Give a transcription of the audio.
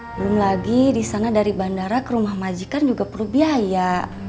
belum lagi di sana dari bandara ke rumah majikan juga perlu biaya